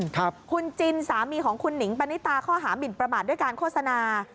คุณจินสามีของคุณหนิงปณิตาข้อหามินประมาทด้วยการโฆษณา